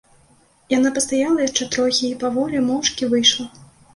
Яна пастаяла яшчэ трохі і паволі, моўчкі выйшла.